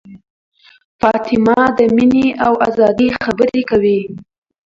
فاطمه د مینې او ازادۍ خبرې کوي.